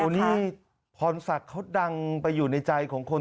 นี่พรศักดิ์เขาดังไปอยู่ในใจของคน